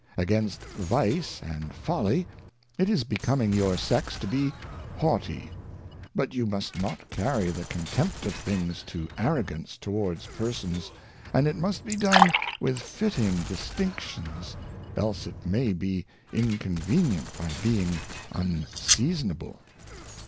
AgSinst Vice and Folly it is becoming your Sex to be haughty ; but you must not carry the Contempt of things to Arrogance towards Persons, and it must be done with fitting Distinctions, else it may be Inconvenient by being unseasonable.